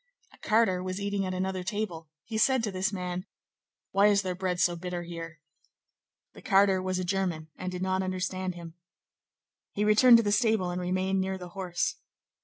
A carter was eating at another table; he said to this man:— "Why is their bread so bitter here?" The carter was a German and did not understand him. He returned to the stable and remained near the horse.